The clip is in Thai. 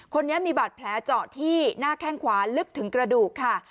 คนนี้มีบาดแผลเจาะที่หน้าแข้งขวาลึกถึงกระดูกค่ะ